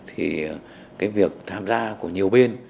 thì việc tham gia của nhiều bên